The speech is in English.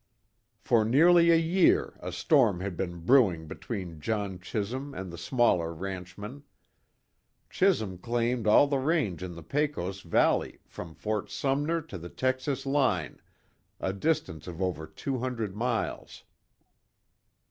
For nearly a year a storm had been brewing between John Chisum and the smaller ranchmen. Chisum claimed all the range in the Pecos valley, from Fort Sumner to the Texas line, a distance of over two hundred miles.